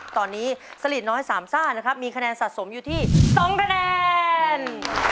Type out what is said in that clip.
ตอนนี้สลิดน้อยสามซ่านะครับมีคะแนนสะสมอยู่ที่๒คะแนน